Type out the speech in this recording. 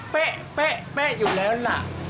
เป๊ะเป๊ะเป๊ะอยู่แล้วล่ะ